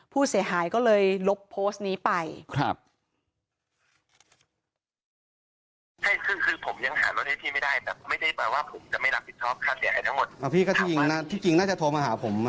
พี่ก็ที่จริงที่จริงน่าจะโทรมาหาผม